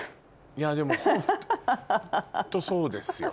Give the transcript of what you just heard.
いやでもホントそうですよ。